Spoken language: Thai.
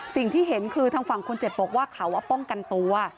สิ่งที่เห็นคือทางฝั่งคนเจ็บบอกว่าเขาป้องกันตัว